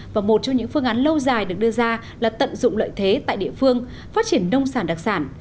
và một trong những phương án lâu dài được đưa ra là tận dụng lợi thế tại địa phương phát triển nông sản đặc sản